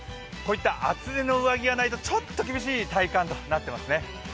こういった厚手の上着がないとちょっと厳しいですね。